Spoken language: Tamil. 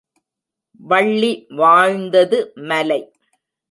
வள்ளி வாழ்ந்தது மலை.